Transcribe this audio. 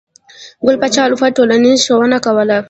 ګل پاچا الفت ټولنیزه ښوونه کوله.